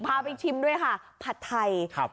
พาไปชิมด้วยค่ะผัดไทยครับ